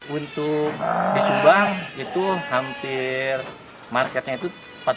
untuk di subang itu hampir marketnya itu empat ratus